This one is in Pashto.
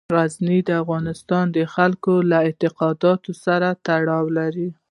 غزني په افغانستان کې د خلکو له اعتقاداتو سره تړاو لري.